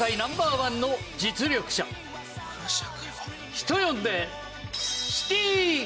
人呼んで。